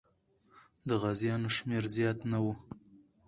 د غازیانو شمېر زیات نه و.